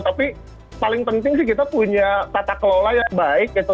tapi paling penting sih kita punya tata kelola yang baik gitu